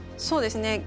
そうですね。